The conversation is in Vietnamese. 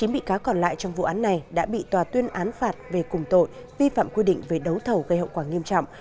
chín bị cáo còn lại trong vụ án này đã bị tòa tuyên án phạt về cùng tội vi phạm quy định về đấu thầu gây hậu quả nghiêm trọng